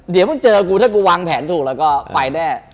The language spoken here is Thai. เดี๋ยวมึงเจอกูถ้ากูวางแผนถูกแล้วก็ไปแน่